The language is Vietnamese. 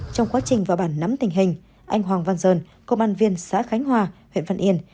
trong quá trình vào bản nắm tình hình anh hoàng văn dơn công an viên xã khánh hòa huyện văn yên